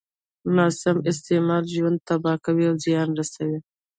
ناسم استعمال يې ژوند تباه کوي او زيان رسوي.